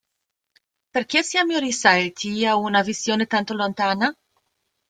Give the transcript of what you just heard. Perché siamo risaliti a una visione tanto lontana?